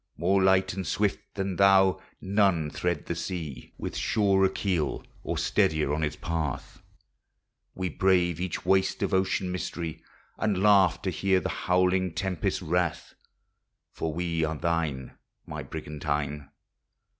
More light and swift than thou none thread the sea With surer keel or steadier on its path, We brave each waste of ocean mystery And laugh to hear the howling tempest's wrath, For we are thine. My origan tine!